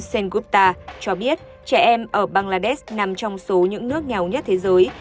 sengupta cho biết trẻ em ở bangladesh nằm trong số những nước nghèo nhất thế giới